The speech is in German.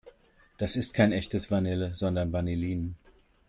Das ist kein echtes Vanille, sondern Vanillin.